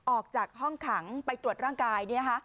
ออกจากห้องขังไปตรวจร่างกายเนี่ยฮะ